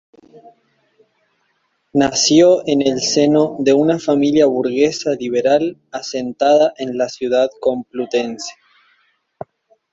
Nació en el seno de una familia burguesa liberal asentada en la ciudad complutense.